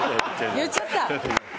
言っちゃった！